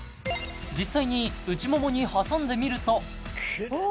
実際に内ももに挟んでみるとくるねどう？